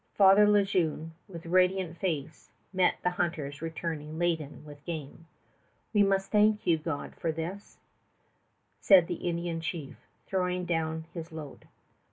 Father Le Jeune, with radiant face, met the hunters returning laden with game. "We must thank your God for this," said the Indian chief, throwing down his load.